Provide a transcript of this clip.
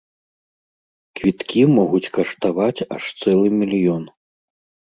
Квіткі могуць каштаваць аж цэлы мільён.